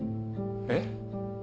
えっ？